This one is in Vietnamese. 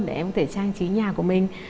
để em có thể trang trí nhà của mình